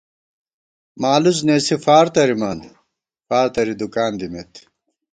مالُوڅ نېسی فار تَرِمان ، فار تَرِی دُکان دِمېت